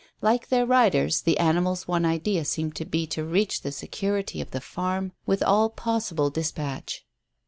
Like their riders, the animals' one idea seemed to be to reach the security of the farm with all possible dispatch.